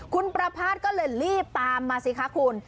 คุณประพาทก็เลยรีบตามมาสิคะคุณ